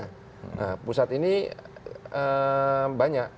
nah pusat ini banyak